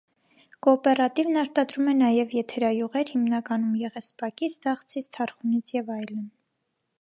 Կոոպերատիվն արտադրում է նաև եթերայուղեր հիմնականում եղեսպակից, դաղձից, թարխունից և այլն։